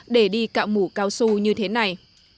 để đi cạo mũ cao su như thế này